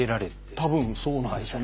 多分そうなんですよね。